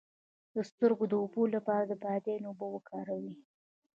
د سترګو د اوبو لپاره د بادیان اوبه وکاروئ